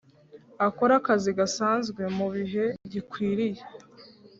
akore akazi gasanzwe mu bihe gikwiriye